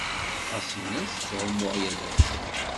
Ɣas in-as ttεummuɣ yal ass.